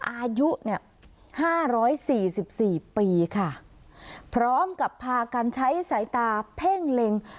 อายุเนี่ย๕๔๔ปีค่ะพร้อมกับพาการใช้สายตาเพ่งเล็ง